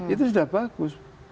itu sudah bagus